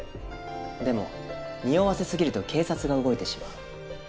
でもにおわせすぎると警察が動いてしまう。